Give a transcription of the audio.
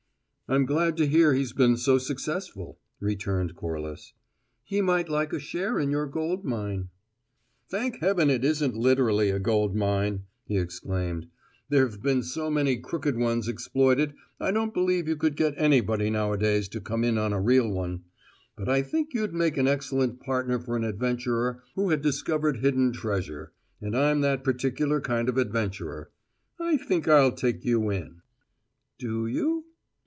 "I'm glad to hear he's been so successful," returned Corliss. "He might like a share in your gold mine." "Thank heaven it isn't literally a gold mine," he exclaimed. "There have been so many crooked ones exploited I don't believe you could get anybody nowadays to come in on a real one. But I think you'd make an excellent partner for an adventurer who had discovered hidden treasure; and I'm that particular kind of adventurer. I think I'll take you in." "Do you?"